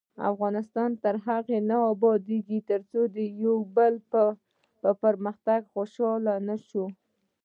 افغانستان تر هغو نه ابادیږي، ترڅو د یو بل په پرمختګ خوشحاله نشو.